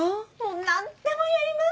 何でもやります！